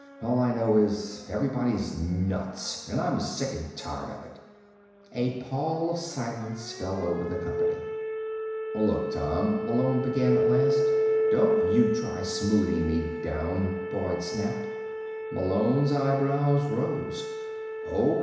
"All I know is everybody's nuts, and I'm sick and tired of it." A pall of silence fell over the company. "Look, Tom," Malone began at last. "Don't you try smoothing me down," Boyd snapped. Malone's eyebrows rose. "O.